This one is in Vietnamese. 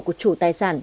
của chủ tài sản